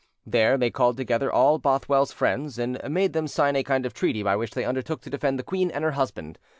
There they called together all Bothwell's friends, and made them sign a kind of treaty by which they undertook to defend the queen and her husband.